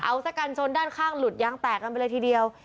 เอาซะกันชนด้านข้างหลุดยางแตกกันไปเลยทีเดียว